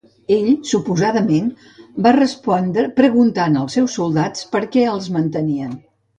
Ell suposadament va respondre preguntant als seus soldats per què els mantenien.